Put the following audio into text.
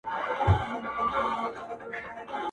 دا د پردیو اجل مه ورانوی؛